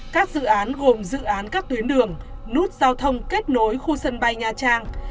các dự án gồm dự án các tuyến đường nút giao thông kết nối khu sân bay nha trang